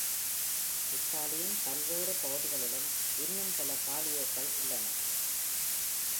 இத்தாலியின் பல்வேறு பகுதிகளிலும் இன்னும் பல பாலியோக்கள் உள்ளன.